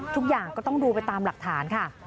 ทุกอย่างก็ต้องดูไปตามหลักฐานค่ะ